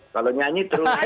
kalau nyanyi terus